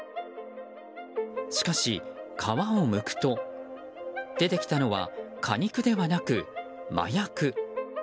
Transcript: しかし、皮をむくと出てきたのは果肉ではなく、麻薬。